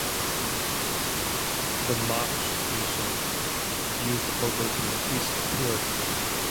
The Marche region used the photo to increase tourism.